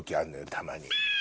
たまに。